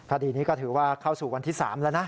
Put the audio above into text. คดีนี้ก็ถือว่าเข้าสู่วันที่๓แล้วนะ